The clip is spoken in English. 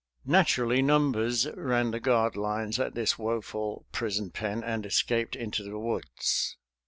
Naturally, numbers ran the guard lines at this woeful prison pen and escaped into the woods.